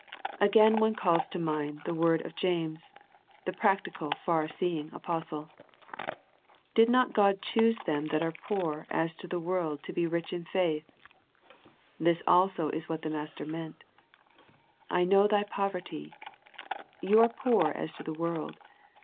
Again one calls to mind the word of James, the practical, far seeing apostle. " Did not God choose them that are poor as to the world to be rich in faith." This also is what the Master meant. " I know thy poverty," you are poor as to the world.